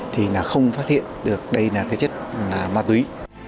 thì là không phát hiện được đây là cái chất ma túy